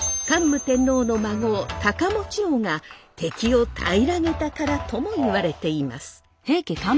桓武天皇の孫高望王が敵を平らげたからともいわれています。